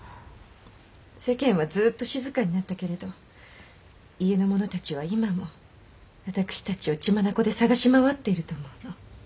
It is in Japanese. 世間はずっと静かになったけれど家の者たちは今も私たちを血眼で捜し回っていると思うの。